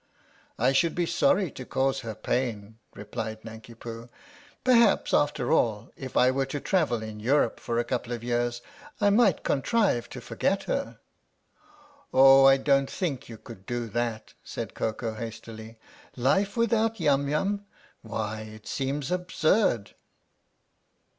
" I should be sorry to cause her pain," replied Nanki Poo. " Perhaps after all, if I were to travel in Europe for a couple of years, I might contrive to forget her/' " Oh, I don't think you could do that," said Koko hastily. " Life without Yum Yum why it seems absurd